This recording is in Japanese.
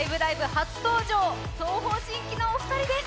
初登場、東方神起のお二人です。